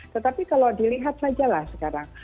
tetapi kalau dilihat saja lah sekarang